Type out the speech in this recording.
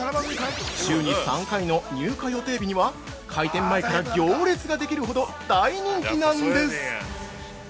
週に３回の入荷予定日には開店前から行列ができるほど大人気なんです！